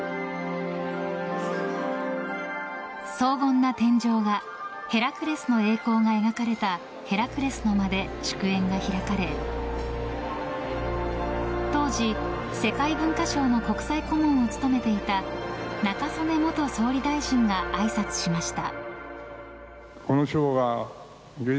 荘厳な天井画「ヘラクレスの栄光」が描かれた「ヘラクレスの間」で祝宴が開かれ当時、世界文化賞の国際顧問を務めていた中曽根元総理大臣があいさつしました。